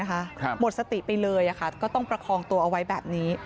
หมดสติไปเลยก็ต้องประคองตัวเอาไว้แบบนี้